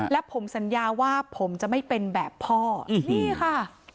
และผมสัญญาว่าผมจะไม่เป็นแบบพ่อนี่ค่ะ